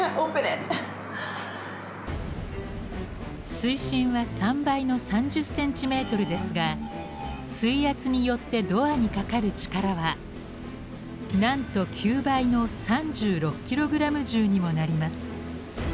水深は３倍の３０ｃｍですが水圧によってドアにかかる力はなんと９倍の３６ｋｇ重にもなります。